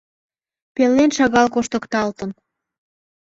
Пелен шагал коштыкталтын.